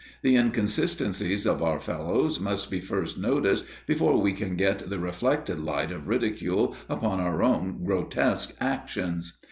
The inconsistencies of our fellows must be first noticed before we can get the reflected light of ridicule upon our own grotesque actions.